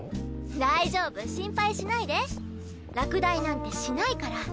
大丈夫心配しないで落第なんてしないから。